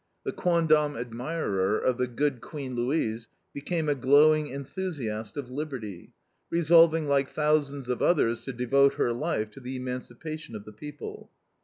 The quondam admirer of the good Queen Louise became a glowing enthusiast of liberty, resolving, like thousands of others, to devote her life to the emancipation of the people.